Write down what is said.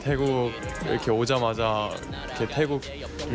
แผนเล่นของสินค้าซึ่ง